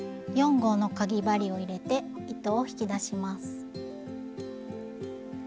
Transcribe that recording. ４号のかぎ針を入れて糸を引き出します。